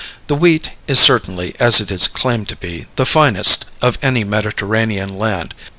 The wheat is certainly, as it is claimed to be, the finest of any Mediterranean land.